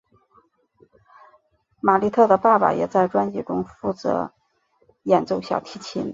玛莉特的爸爸也在专辑中负责演奏小提琴。